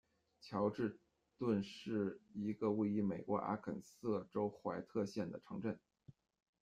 乔治敦是一个位于美国阿肯色州怀特县的城镇。